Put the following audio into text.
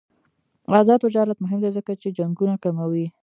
آزاد تجارت مهم دی ځکه چې جنګونه کموي.